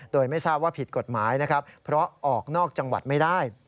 โดยไม่ทราบว่าผิดกฎหมายนะครับเพราะออกนอกจังหวัดไม่ได้